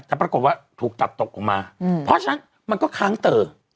แต่ปรากฏว่าถูกตัดตกออกมาเพราะฉะนั้นมันก็ค้างเตอ